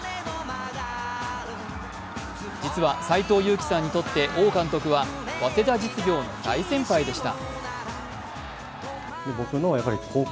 実は斎藤佑樹さんにとって王監督は早稲田実業の大先輩でした。